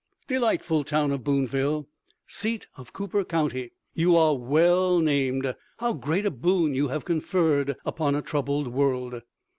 Delightful town of Boonville, seat of Cooper County, you are well named. How great a boon you have conferred upon a troubled world!